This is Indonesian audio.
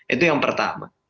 itu yang pertama